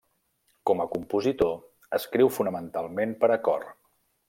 Com a compositor, escriu fonamentalment per a cor.